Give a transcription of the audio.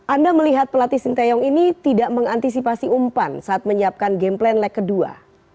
anda melihat pelatih sinteyong ini tidak mengantisipasi umpan saat menyiapkan game plan leg kedua